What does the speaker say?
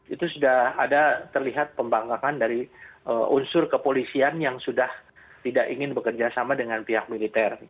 itu sudah ada terlihat pembanggakan dari unsur kepolisian yang sudah tidak ingin bekerja sama dengan pihak militer